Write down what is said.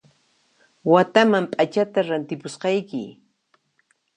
Wataman p'achata rantipusqayki